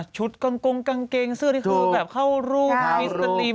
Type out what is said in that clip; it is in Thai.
กลางกงกางเกงเสื้อนี่คือแบบเข้ารูปมิสตรีม